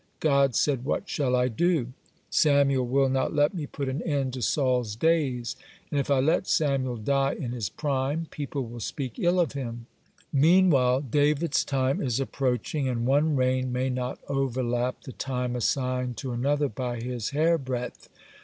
God said: "What shall I do? Samuel will not let me put an end to Saul's days, and if I let Samuel die in his prime, people will speak ill of him (68) Meanwhile David's time is approaching, and one reign may not overlap the time assigned to another by his hairbreadth."